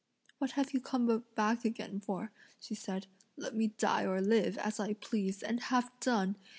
"What have you come back again for?" she asked. "Let me die or live, as I please, and have done!